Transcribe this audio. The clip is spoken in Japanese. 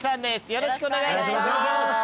よろしくお願いします。